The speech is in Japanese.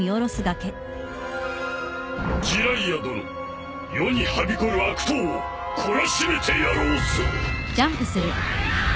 児雷也殿世にはびこる悪党を懲らしめてやろうぞ！